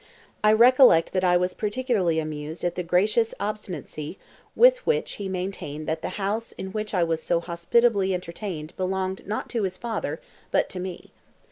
I recollect that I was particularly amused at the gracious obstinacy with which he maintained that the house in which I was so hospitably entertained belonged not to his father, but to me.